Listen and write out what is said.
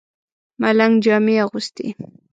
ملنګ جامې اغوستې.